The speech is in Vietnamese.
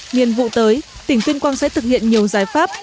nhiên vụ tới tỉnh tuyên quang sẽ thực hiện nhiều giải pháp